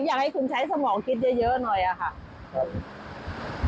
อยากให้คุณใช้สมองจึงว่ายืนอะค่ะ